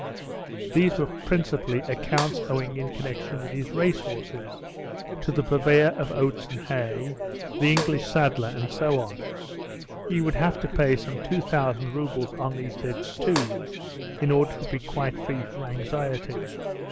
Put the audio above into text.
These were principally accounts owing in connection with his race horses, to the purveyor of oats and hay, the English saddler, and so on. He would have to pay some two thousand roubles on these debts too, in order to be quite free from anxiety.